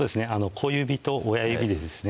小指と親指でですね